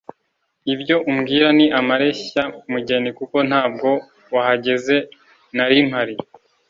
Ibyo umbwira ni amareshya mugeni kuko ntabwo wahageze narimpari